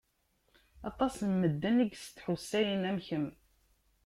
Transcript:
Aṭas n medden i yestḥussayen am kemm.